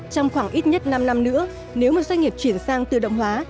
trong khoảng ít nhất năm năm nữa nếu một doanh nghiệp chuyển sang tự động hóa